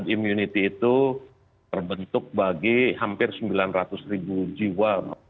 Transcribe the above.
immunity itu terbentuk bagi hampir sembilan ratus ribu jiwa